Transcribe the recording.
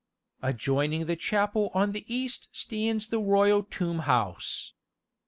Adjoining the chapel on the east stands the royal tombhouse.